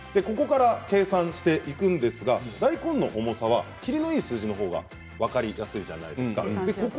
ここから計算していくんですが大根の重さは、きりのよい数字のほうが分かりやすいですね。